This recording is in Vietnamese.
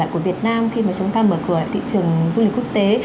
của việt nam khi mà chúng ta mở cửa thị trường du lịch quốc tế